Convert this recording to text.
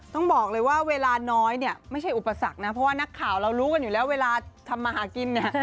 ต้องบอกเลยว่าเวลาน้อยเนี่ยไม่ใช่อุปสรรคนะเพราะว่านักข่าวเรารู้กันอยู่แล้วเวลาทำมาหากินเนี่ย